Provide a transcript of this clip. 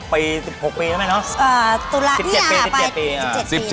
๑๗ปี๑๗ปี